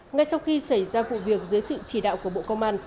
ngay sau khi xảy ra vụ việc dưới sự chỉ đạo của bộ công an